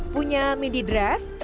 punya midi dress